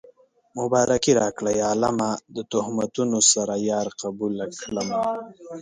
مبارکي راکړئ عالمه د تهمتونو سره يار قبوله کړمه